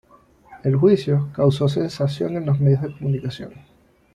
El juicio causó sensación en los medios de comunicación.